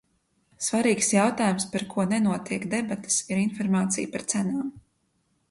Svarīgs jautājums, par ko nenotiek debates, ir informācija par cenām.